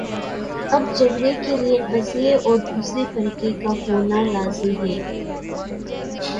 اب جھگڑے کے لیے قضیے اور دوسرے فریق کا ہونا لازم ہے۔